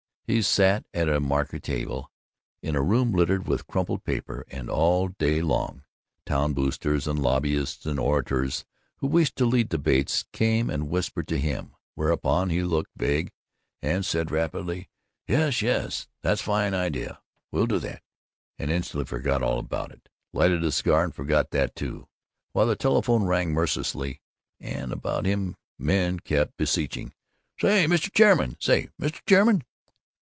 He sat at a marquetry table, in a room littered with crumpled paper and, all day long, town boosters and lobbyists and orators who wished to lead debates came and whispered to him, whereupon he looked vague, and said rapidly, "Yes, yes, that's a fine idea; we'll do that," and instantly forgot all about it, lighted a cigar and forgot that too, while the telephone rang mercilessly and about him men kept beseeching, "Say, Mr. Chairman say, Mr. Chairman!"